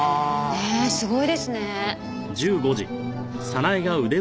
ねえすごいですね。